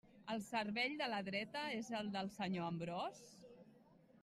El cervell de la dreta és el del senyor Ambròs?